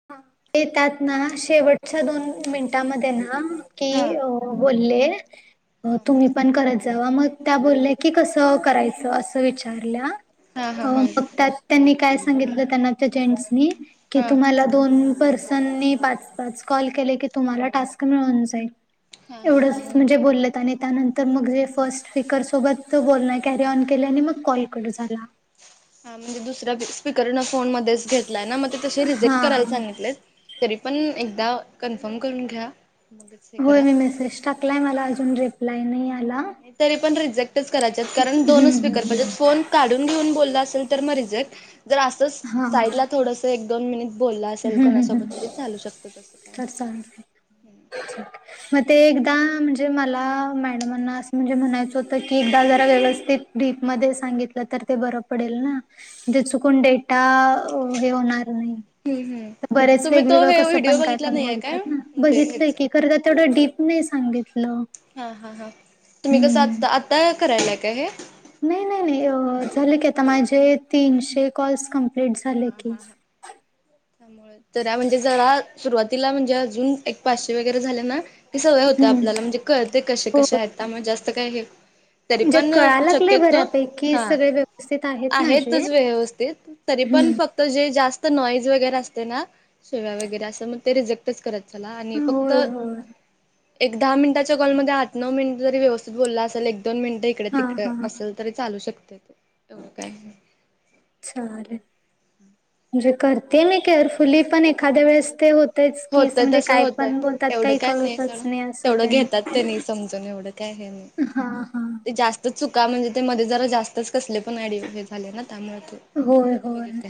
[unintelligible] तेेतात ना शेवटच्या दोन मिनिटांमध्ये ना हा की अ बोलले हा [inaudible] तुम्ही पण करत जावा, मग त्या बोलल्या की कसं करायचं असं विचारल्या. हा हा हा मग त्यात त्यांनी काय सांगितलं त्यांना ते जेंट्स की हा तुम्हाला दोन पर्सननी पाच-पाच कॉल केले की तुम्हाला टास्क मिळून जाईल. हा हा एवढंच ह म्हणजे बोललेत आणि त्यानंतर मग जे फर्स्ट स्पिकर सोबत ते बोलण कॅरी ऑन केलं आणि मग कॉल कट झाला. हा म्हणजे दुसऱ्या पी स्पीकर ना फोन मध्ये च घेतलंय न म ते तशे हा रिजेक्ट करायला सांगितलं तरी पण एकदा कन्फर्म करून घ्या. मगच हे होय करा मी मेसेज टाकलाय मला अजून रिप्लाय नाही आला. नाही तरी पण रिजेक्टच करायच्यात कारण दोन हम्म स्पीकर हम्म पाहिजेत फोन काडून घेऊन बोलला असेल तर मग रिजेक्ट जर असच हा साईडला हम्म थोडसा एक दोन मिनी बोलला असेल कोणासोबत तरी चालू शकतो तसं. [unintelligible] काय ठीक नाही आहे. म ते एकदा म्हणजे मला मॅडमांना असं म्हणजे म्हणायचं होतं की एकदा जरा व्यवस्थित डीप मध्ये सांगितलं तर ते बरं पडेल ना जे चुकून डेटा अ हे होणार तर नाही हम्म हम्म बरेच तुम्ही तो वेगवेगळं हे कसं व्हिडिओ पण काय बघितला पण नाही आहे बोलतात काय ना म्हणजे बघितलंय ह्याच की. करता तेवढं डीप नाही सांगितलं. हा हा हा तुम्ही कसं हम्म. आता आता हे करायला काय हे? नाही नाही नाही म्हणजे अ झाले की आता माझे तीनशे कॉल्स कमप्लीट झाले हा हा की. हा त्यामुळे तर या म्हणजे जरा सुरुवातीला म्हणजे अजून एक पाचशे वगैरे झाले ना ते सगळे होतं हम्म आपल्याला म्हणजे कळते कशे हो कशे आहेत त्यामुळे जास्त काय हे तरी म्हणजे पण कळायला लागलंय शक्यतो बऱ्यापैकी हा सगळे व्यवस्थित आहेत माझे. आहेतच व्यवस्थित तरी हम्म पण फक्त जे जास्त नाहीस वगैरे असते ना शिव्या वगैरे असं म ते रिजेक्ट तच करत चला आणि फक्त होय होय एक दहा मिनिटाच्या कॉलमध्ये आठ-नऊ मिनिटं जरी व्यवस्थित बोलला असेल एक दोन मिनिटं इकडे हा तिकडे हा असेल तरी चालू शकतोय ते एवढं काय हे नाय. चालेल म्हणजे करते मी केअरफुली पण एखाद्या वेळेस ते हो तेच की असं होतय म्हणजे तसं काय होतय पण बोलतात एवढं काही काय कळतच सोडा नाही असं तेवढं त्यां घेतात त्यांनी समजून एवढं काय हे नाही हा हा. ते जास्त चुका म्हणजे ते मध्ये जरा जास्तच कसले पण ऑडिओ हे झाले ना त्यामुळे तो होय होय.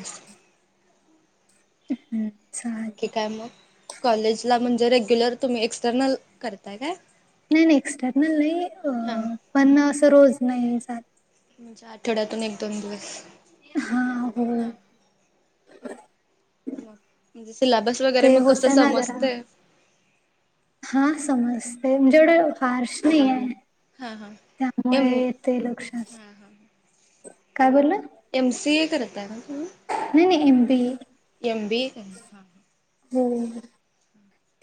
हम्म. आणखी चालेल काय मग कॉलेज ला म्हणजे रेग्युलर तुम्ही एक्सटर्नल करताय काय? नाही नाही एक्सटर्नल नाही अ हां पण असं रोज नाही जात. म्हणजे आठवड्यातून एक दोन दिवस. हा हो. हां मग म्हणजे सिलेबस वगैरे ते मग होत कसं ना जरा समजतंय? हा समजते जेवढं फार्श नाही आहे हां हां त्यामुळे एम येते लक्षास हा हा काय बोललं? एम सी ए करताय ना तुम्ही? नाही नाही M B A. M B A करणार हा. हो.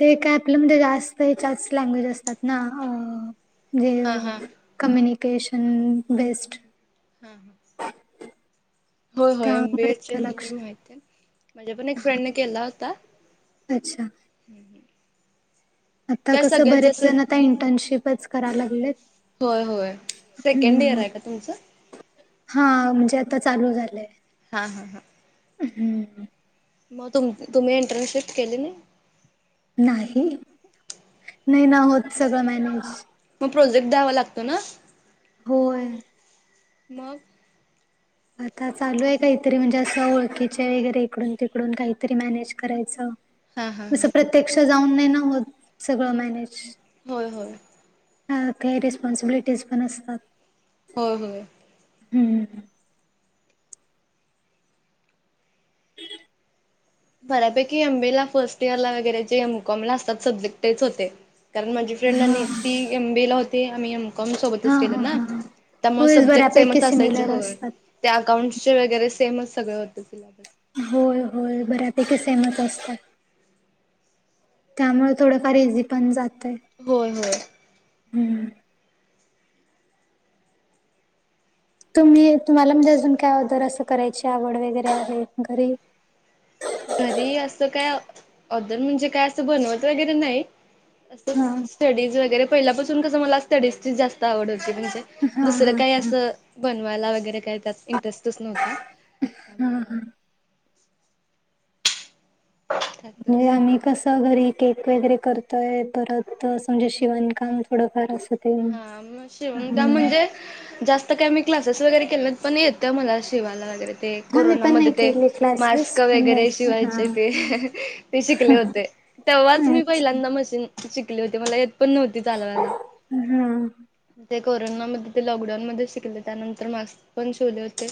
ते काय आपलं म्हणजे जास्त हेच्याच लँग्वेज असतात ना अ जे हां हां कम्युनिकेशन बेस्ट हां मग. होय होय एम बी त्यामुळे ए चे ते म्हणजे लक्षात माहतीय माझ्या पण एक फ्रेंडने केला होता. अच्छा [inaudible] आता त्या कसं सगळ्यात बरेच जास्त जणं आता इंटर्नशिपच कराय लागलेत. होय होय सेकंड इयर हम्म आहे का तुमचं? हा म्हणजे, आता चालू झालंय. हा हा हा.... हम्म.. मग तुम, तुम्ही इंटर्नशिप केली नाही? नाही... नाही ना होत सगळं मॅनेज. मग प्रोजेक्ट द्यावा लागतो ना? होय...... मग? आता चालू आहे काहीतरी म्हणजे, असं ओळखीचे वगैरे इकडून तिकडून काहीतरी मॅनेज करायचं. हां हां असं हां प्रत्यक्ष जाऊन नाही ना होत, सगळं मॅनेज. होय होय. हा काही रिस्पॉन्सिबिलिटीज पण असतात. होय होय. हम्म.. बऱ्यापैकी एम बी ए ला फर्स्ट इयर ला वगैरे जे एम कॉम ला असतात सब्जेक्ट तेच होते. कारण माझी हा फ्रेंडनी ती एम बी ए ला होती, आम्ही एम कॉम हा सोबतच हा केलं ना, हा त्यामुळे होयच सब्जेक्ट बऱ्यापैकी सेमच असायचे सिमिलर होय. असतात. त्या अकाउंटचे वगैरे सेमच सगळं होत सिलेबस. होय होय बऱ्यापैकी सेमच असत्यात. त्यामुळे थोडंफार इझी पण जातय. होय होय. हम्म. तुम्ही तुम्हाला म्हणजे, अजून काय ऑदर असं करायची आवड वगैरे घरी. घरी असं काय ऑदर म्हणजे, काय असं बनवत वगैरे नाही असं. हा स्टडीज वगैरे पहिल्यापासून कसं मला स्टडीजची जास्त आवड होती म्हणजे, हा दुसरं हा काय हा अस बनवायला वगैरे काय त्यात इंटरेस्टच नव्हता. हम त्यामुळे हम. त्यातच [unintelligible] कसं घरी केक वगैरे करतोय, परत असं म्हणजे, शिवणकाम थोडंफार असत. हा मग शिवण काम म्हणजे? जास्त काय मी क्लासेस वगैरे केले, पण येते मला शिवायला वगैरे ते हा मी पण नाही कोरोनामध्ये ते केले क्लासेस मास्क पण नाही वगैरे हा शिवायचे ते, ते शिकले होते. तेव्हाच मी अच्छा पहिल्यांदा मशीन शिकली होती, मला येत पण नव्हती चालवायला. हम्म. ते कोरोनामध्ये ते लॉकडाऊन मध्ये शिकले त्यानंतर, मास्क पण शिवले होते.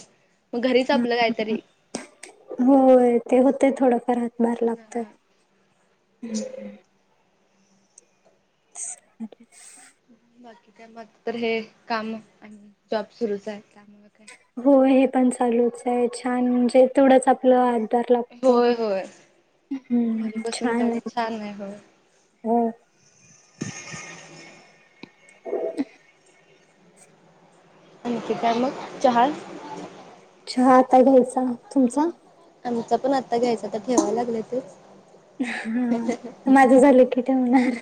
मग घरीच हा आपलं काहीतरी. होय ते होतेय थोडंफार हातभार लागतय. हा अे [inaudible] बाकी त्या मत तर हे, काम आणि जॉब सुरूच आहे. काय हो हे पण चालूच आहे छान म्हणजे, तेथोडंच आपलं र लागतो. होय होय हम् घरी बसून छान तेवढं आहे. छान होय. हो, अख का मग जहाज चहा आता घ्यायचा. तुमचा? आमचा पण आता घ्यायच तर ठेवाय लागलं तेच. हा माझं झालं की ठेवणार.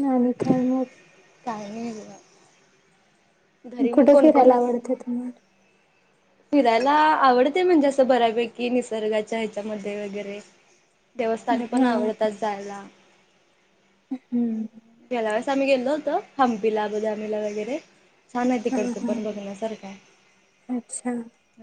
नाही काय मग [unintelligible] काही नाही बघा घरी मग कुठे कोण कोण फिरायला अस आवडतं तुम्हाला? फिरायला आवडते म्हणजे असं बऱ्यापैकी निसर्गाच्या ह्याच्यामध्ये वगैरे देवस्थानी पण हा आवडतात जायला. हम्म त्यावेळेस आम्ही गेलो होतो हंपीला बदामीला वगैरे छान आहे हा तिकडचं पण हा बघण्यासारख आहे. अच्छा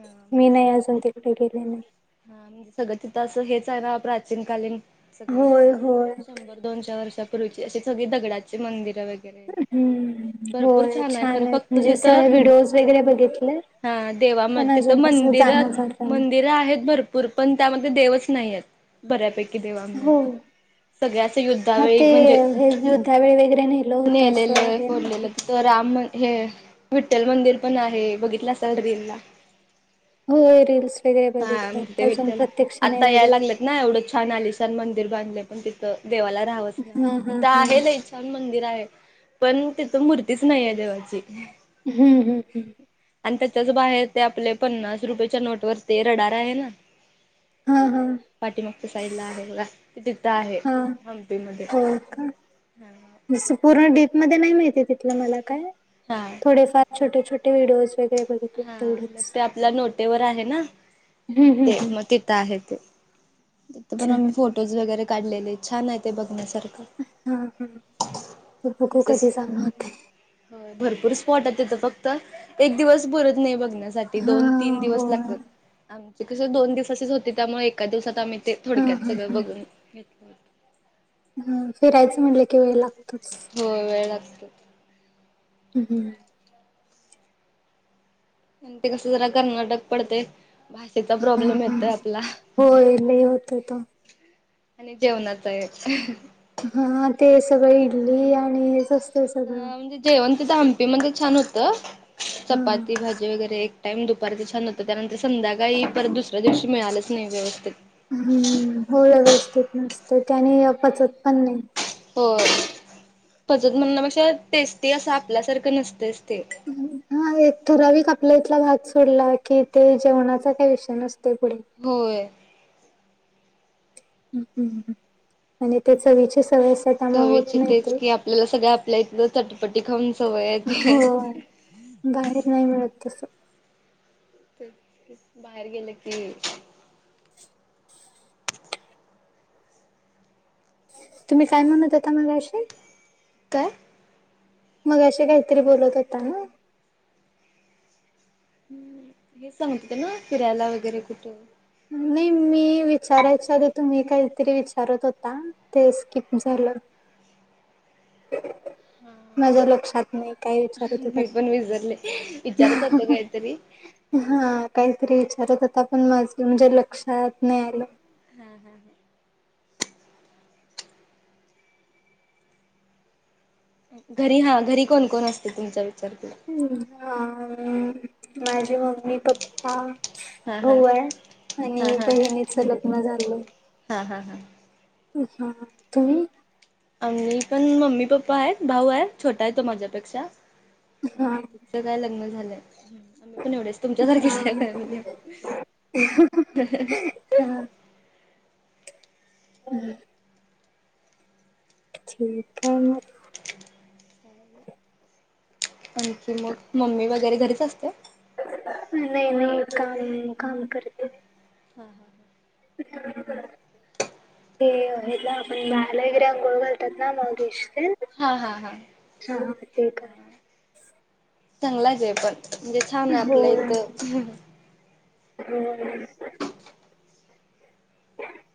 हा मी म्हणजे नाही सगळे अजून तिकडे गेले नाही. हा म्हणजे सगळं तिथं असं हेच आहे ना प्राचीन कालीन सगळं होय होय इतिहास शंभर दोन चार वर्षापूर्वीची अशी सगळी दगडाचे मंदिर वगैरे हम्म भरपूर होय छान खरं आहे फक्त म्हणजे अस तिथं व्हिडिओज वगैरे बघितलंय. हा देवामध्ये तिथं मंदिर झालं नाही. मंदिरं आहेत भरपूर भरपुर पण त्यामध्ये देवच नाही येत. बऱ्यापैकी देवांमध्ये हो सगळ्याच युद्धावेळी म्हणजे युद्धा वेळ वगैरे नेल होतं असं आहे ना ते तर राम म हे विठ्ठल मंदिर पण आहे बघितलं असलं रिलला होय रीलस वगैरे हा बघितलं अजून प्रत्यक्ष नाही बघितलं. नाही एवढं छान आलिशान मंदिर बांधले पण तिथं देवाला राहावंस नाही वाटतं. हा हा हा. एवढं छान मंदिर आहे पण तिथ मूर्तीच नाही आहे देवाची हम्म हम्म हम्म आणि त्याच्याच बाहेर ते आपले पन्नास रुपयाेच्या नोट वरती रडार आहे ना? हा हा पाठीमागच्या साईडला आहे बघा त तिथं आहे हा हंपी मध्ये हो का पूर्ण डीप मध्ये नाही माहिती तिथलं मला काय हा थोडेफार छोटे छोटे व्हडिओ वगैरे बघितले हा मग तेवढच ते आपल्या नोटेवर आहे ना हम्म हम्म ते हम्म मग तिथं आहे ते पण अच्छा आम्ही फोटोज वगैरे काढलेले छान आहे ते बघण्यासारखं हा हा तू बकू कधी ग न होत [unintelligible] हो भरपूर स्पॉट आहे तिथं फक्त एक दिवस भरत नाही बघण्यास हा दोन तीन दिवस हो लागतात आमची कशी दोन दिवसची होती त्यामुळे एका दिवसात आम्ही ते हा थोडक्यात सगळं हा बघून घेतलं होत. ह फिरायचं म्हटलं की वेळ लागतो. होय वेळ लागतो. हम्म आणि ते कसं जरा कर्नाटक पडतंय. भाषेचा प्रॉब्लेम येतोय आपला. होय लय होतोय तो. आणि जेवणाच येतो. हा ते सगळं इडली आणि हेच असतं. हा म्हणजे जेवण तिथं हंपीमध्ये छान होतं हा चपाती भाजी वगैरे एक टाईम दुपारीचं छान होतं त्यानंतर संध्याकाळी परत दुसऱ्या दिवशी मिळालंच नाही व्यवस्थित. हम्म हो व्यवस्थित नसतं त्याने पचत पण नाही. हो पचत म्हणण्यापेक्षा टेस्टी असं आपल्यासारखं नसतच ते. हा हा एक ठराविक आपला इथला भाग सोडला की ते जेवणाचा काय विषय नसते पुढे. होय. हम्म. आणि ते चवीची सवय असे त्यामुळे होत चवीची नाही तेच रे. की आपल्याला सगळं आपल्या इथलं चटपटी खाऊन सवयेत. होय बाहेर नाही मिळत तस. बाहेर गेले की तुम्ही काय म्हणत होता मघाशी? काय? मघाशी काहीतरी बोलत होता ना. हम्म. हे सांगत होते ना फिरायला वगैरे कुठ. नाही मी मी विचारायच्या आधी तुम्ही काहीतरी विचारत होता ते स्किप झालं. [inaudible] हम्म. माझ्या लक्षात नाही काही विचार होतात. पण विसरले विचारत होते काहीतरी. हा काहीतरी विचारत होता पण माझ म्हणजे लक्षात नाही आल. हम्म - हम्म - हम्म. घरी हा घरी कोण -कोण असते तुमच्या विचारते? हम्म हा माझी मम्मी पप्पा हा हा भाऊ आहे. हा आणि हा बहिणीच लग्न झालंय. हा - हा- हा. हा तुम्ही? आणि पण मम्मी पप्पा आहेत. भाऊ आहेत छोटा आहे तो माझ्यापेक्षा हा आणि काय लग्न झालंय आम्ही पण एवढेच तुमच्या सारखेच हा आहे फॅमिली. [inaudible] हा. [inaudible] ठीक आहे मग. आणखी मग मम्मी वगैरे घरीच असते? नाही -नाही काम -काम करते. हां - हा. [inaudible] ते हेला आपण बाळाला वगैरे आंघोळ घालतात ना मग मॉलीश ते. हा - हा -हा कर चांगलाच आहे पण. म्हणजे छान आहे हो आपलं इथ. हो [inaudible]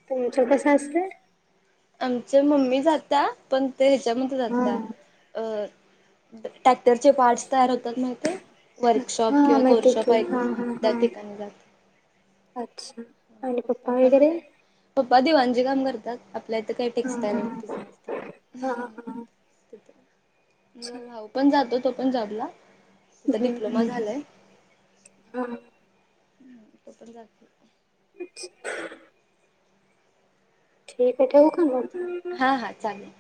तुमचं कसं असत? आमच्या मम्मी जाता पण ते ह्याच्यामध्ये हा जाता अ ट्रॅक्टरचे पार्टस तयार होतात तिथे मग ते वर्कशॉप हा किंवा माहिती कोर्शॉप की हा ऐकून हा त्या हा ठिकाणी जात. अच्छा. आणि पप्पा पण वगैरे काय पप्पा दिवांन चे काम करतात. आपल्या इथं काही हा हा टेक्स्टाईल बिझनेस का हा हा तथ. माझा भाऊ पण जातो तो पण जॉबला. तिथं हम्म - डिप्लोमा हम्म झालाय - हा ह तो पण जातो. अ् [unintelligible] ठीक आहे ठेवू का मग? हा हा चालेल.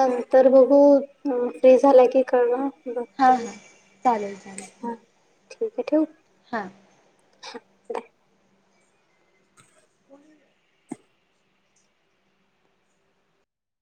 नंतर बघू फ्री झालं की कळवा. हा बघते मी हा चालेल चालेल हां ठीके ठेवू? हां बाय ह [unintelligible]